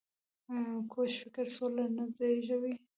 کوږ فکر سوله نه زېږوي